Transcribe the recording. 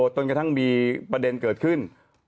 จนกระทั่งมีประเด็นเกิดขึ้น